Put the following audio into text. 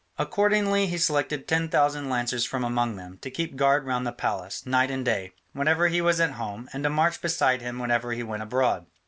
Accordingly he selected ten thousand lancers from among them, to keep guard round the palace, night and day, whenever he was at home, and to march beside him whenever he went abroad.